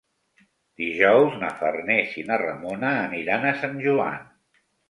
Dijous na Farners i na Ramona aniran a Sant Joan.